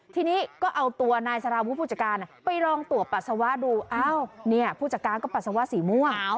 ทีนี้ก็เอาตัวนายสารวุฒิผู้จัดการไปลองตรวจปัสสาวะดูอ้าวผู้จัดการก็ปัสสาวะสีม่วง